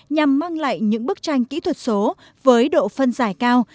nhằm mang lại những bức tranh kỹ thuật số với độ phân giải cao